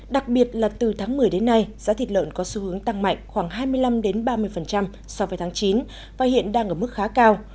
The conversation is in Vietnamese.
đặc biệt là từ tháng một mươi đến nay giá thịt lợn có xu hướng tăng mạnh khoảng hai mươi năm ba mươi so với tháng chín và hiện đang ở mức khá cao